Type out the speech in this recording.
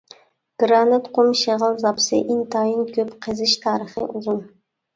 گىرانىت، قۇم شېغىل زاپىسى ئىنتايىن كۆپ، قېزىش تارىخى ئۇزۇن.